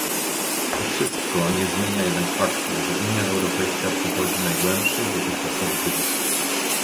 To wszystko nie zmienia jednak faktu, że Unia Europejska przechodzi najgłębszy dotychczasowy kryzys